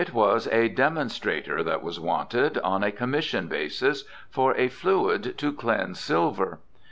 It was a "demonstrator" that was wanted, on a commission basis, for a fluid to cleanse silver.